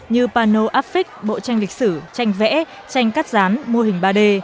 như pano affix bộ tranh lịch sử tranh vẽ tranh cắt rán mô hình ba d